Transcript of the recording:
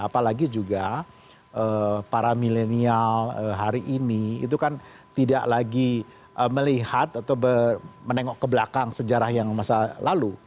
apalagi juga para milenial hari ini itu kan tidak lagi melihat atau menengok ke belakang sejarah yang masa lalu